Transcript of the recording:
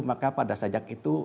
maka pada sajak itu